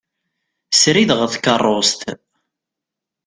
Srid ɣer tkerrust.